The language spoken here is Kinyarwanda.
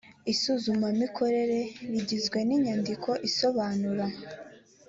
isuzumamikorere rigizwe n inyandiko isobanura